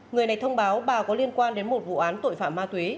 người này thông báo bà có liên quan đến một vụ án tội phạm ma túy